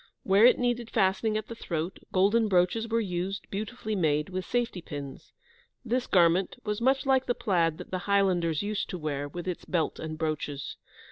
Where it needed fastening at the throat, golden brooches were used, beautifully made, with safety pins. This garment was much like the plaid that the Highlanders used to wear, with its belt and brooches.